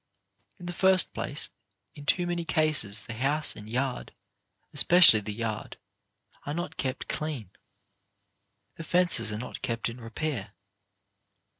In the first place, in too many cases, the house and yard, especially the yard, are not kept clean. The fences are not kept in repair.